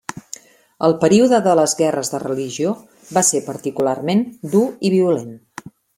El període de les guerres de religió va ser particularment dur i violent.